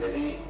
bisa pak jadi